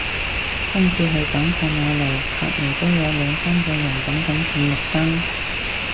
今次係等過馬路，隔離都有兩三個人等緊轉綠燈